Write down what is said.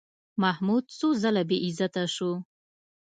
محمود څو ځله بېعزتي شو.